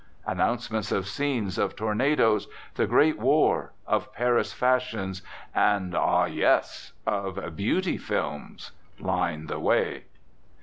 Announcements of scenes of tornadoes, the Great War, of "Paris fashions," and, ah, yes! of "beauty films" line the way.